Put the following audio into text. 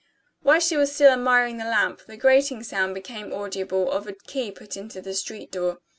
While she was still admiring the lamp, the grating sound became audible of a key put into the street door.